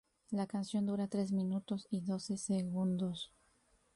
La canción dura tres minutos y doce segundos.